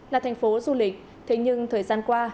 là thành phố du lịch thế nhưng thời gian qua